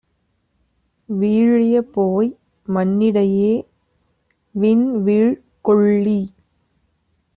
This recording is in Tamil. வீழியபோய் மண்ணிடையே விண்வீழ் கொள்ளி